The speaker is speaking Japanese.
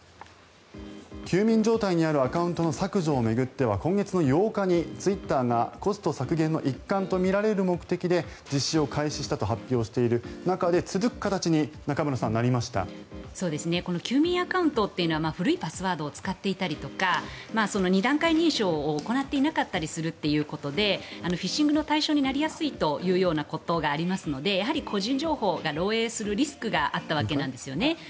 休眠状態にあるアカウントの削除を巡っては今月８日にツイッターがコスト削減の一環とみられる目的で実施を開始したと発表している中で続く形に休眠アカウントというのは古いパスワードを使っていたりとか２段階認証を行っていなかったりするということでフィッシングの対象になりやすいということがありますので個人情報が漏えいするリスクがあったわけなんですよね。